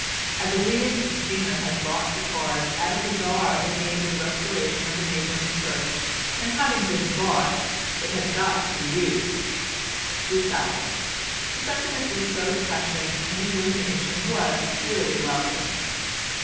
I believe Christina had bought the card at a bazaar in aid of the restoration of a neighbouring church, and having been bought it had got to be used—besides, the sentiment was so touching and the illumination was really lovely.